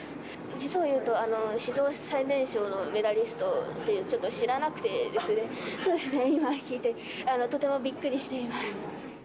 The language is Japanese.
実をいうと、史上最年少のメダリストっていう、ちょっと知らなくてですね、そうですね、今聞いて、とてもびっくりしています。